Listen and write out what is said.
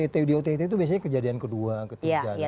jadi yang di ott itu biasanya kejadian kedua ketiga